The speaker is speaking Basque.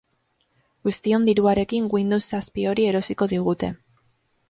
Guztion diruarekin Windows zazpi hori erosiko digute.